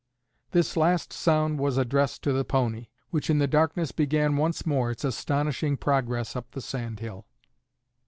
This last sound was addressed to the pony, which in the darkness began once more its astonishing progress up the sand hill.